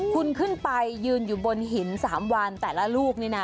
คุณขึ้นไปยืนอยู่บนหิน๓วันแต่ละลูกนี่นะ